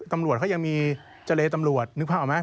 ตำรวจเขายังมีเจรตำรวจนึกภาพออกไหม